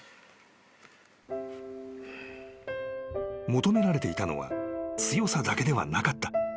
［求められていたのは強さだけではなかった］